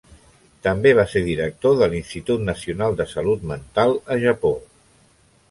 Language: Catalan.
També va ser director de l'Institut nacional de salut mental a Japó.